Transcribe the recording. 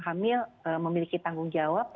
hamil memiliki tanggung jawab